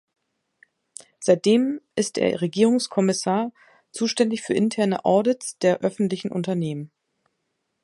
Seitdem ist er Regierungskommissar, zuständig für interne Audits der öffentlichen Unternehmen.